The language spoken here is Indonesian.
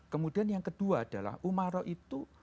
kemudian yang kedua adalah umaroh itu